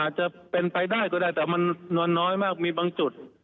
อาจจะเป็นไปได้ก็ได้แต่มันนวลน้อยมากมีบางจุด